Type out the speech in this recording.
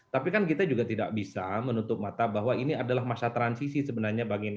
tapi kan kita juga tidak bisa menutup mata bahwa ini adalah masa transisi sebenarnya bagi mereka